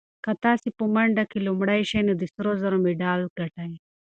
که تاسي په منډه کې لومړی شئ نو د سرو زرو مډال ګټئ.